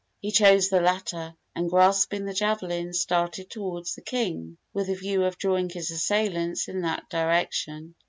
He chose the latter, and, grasping the javelin, started toward the king, with the view of drawing his assailants in that direction.